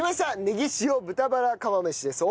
ネギ塩豚バラ釜飯です。